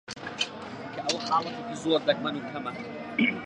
دوای نووستنێکی کەم خۆمان شتەوە